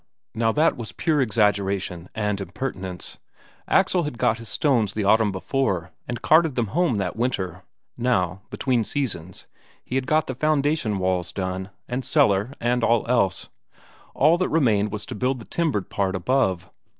Now that was pure exaggeration and impertinence. Axel had got his stones the autumn before, and carted them home that winter; now, between seasons, he had got the foundation walls done, and cellar and all else all that remained was to build the timbered part above.